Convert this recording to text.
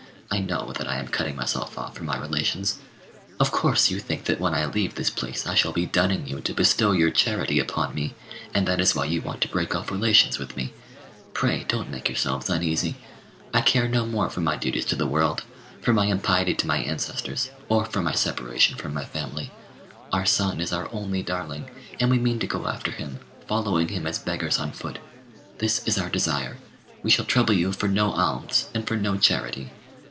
I know that I am cutting myself off from my relations. Of course you think that when I leave this place I shall be dunning you to bestow your charity upon me; and that is why you want to break off relations with me. Pray don't make yourselves uneasy. I care no more for my duties to the world, for my impiety to my ancestors, or for my separation from my family. Our son is our only darling, and we mean to go after him, following him as beggars on foot. This is our desire. We shall trouble you for no alms and for no charity.